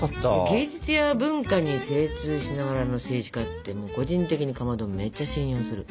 芸術や文化に精通しながらの政治家って個人的にかまどめっちゃ信用する。